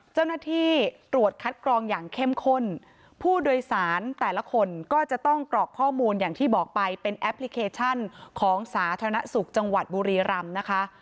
เจ้าหน้าที่ตรวจคัดกรองอย่างเข้มข้นผู้โดยสารแต่ละคนก็จะต้องกรอกข้อมูลอย่างที่บอกไปเป็นแอปพลิเคชันของสาธารณสุขจังหวัดบุรีรำนะคะ